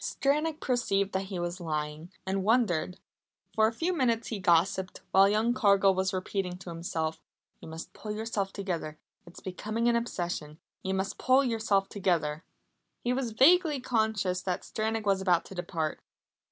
Stranack perceived that he was lying, and wondered. For a few minutes he gossiped, while young Cargill was repeating to himself: "You must pull yourself together. It's becoming an obsession. You must pull yourself together." He was vaguely conscious that Stranack was about to depart.